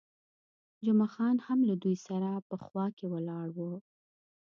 جمعه خان هم له دوی سره په خوا کې ولاړ وو.